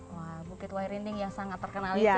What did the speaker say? wah bukit wairinding yang sangat terkenal itu ya